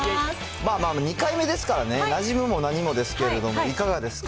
まあまあ、２回目ですからね、なじむも何もですけれども、いかがですか。